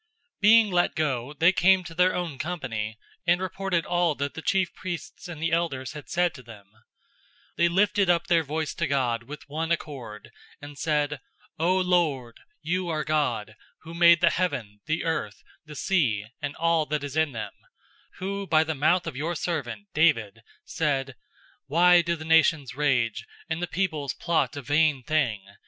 004:023 Being let go, they came to their own company, and reported all that the chief priests and the elders had said to them. 004:024 When they heard it, they lifted up their voice to God with one accord, and said, "O Lord, you are God, who made the heaven, the earth, the sea, and all that is in them; 004:025 who by the mouth of your servant, David, said, 'Why do the nations rage, and the peoples plot a vain thing?